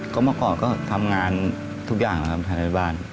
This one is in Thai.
ก็เมื่อก่อนก็ทำงานทุกอย่างนะครับภายในบ้าน